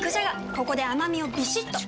ここで甘みをビシッと！